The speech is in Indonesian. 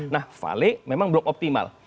nah vale memang belum optimal